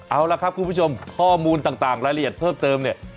เอาละครับคุณผู้ชมข้อมูลต่างรายละเอียดเพิ่มเติมเนี่ย